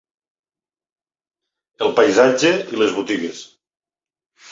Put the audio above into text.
El paisatge i les botigues